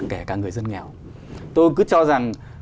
kể cả người dân nghèo tôi cứ cho rằng